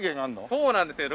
そうなんですよ。